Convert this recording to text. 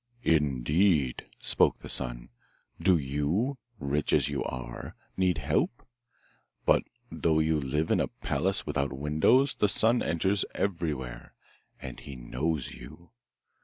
'Indeed!' spoke the Sun. 'Do you, rich as you are, need help? But though you live in a palace without windows, the Sun enters everywhere, and he knows you.